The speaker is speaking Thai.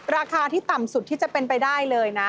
ราคาที่ต่ำสุดที่จะเป็นไปได้เลยนะ